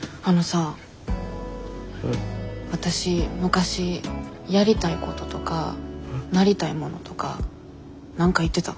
わたし昔やりたいこととかなりたいものとか何か言ってた？